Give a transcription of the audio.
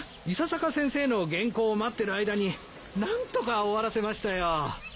伊佐坂先生の原稿を待ってる間に何とか終わらせましたよ。